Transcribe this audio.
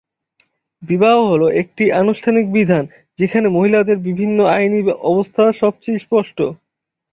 বিবাহ হল একটি আনুষ্ঠানিক বিধান, যেখানে মহিলাদের বিভিন্ন আইনি অবস্থা সবচেয়ে স্পষ্ট।